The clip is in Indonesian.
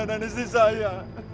kau bisa mencari saya